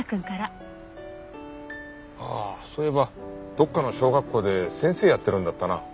ああそういえばどっかの小学校で先生やってるんだったな。